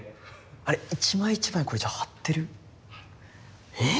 あれ一枚一枚これじゃあ貼ってる？え！